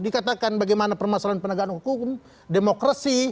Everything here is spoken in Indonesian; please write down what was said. dikatakan bagaimana permasalahan penegakan hukum demokrasi